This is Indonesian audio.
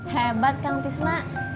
hebat kang tisna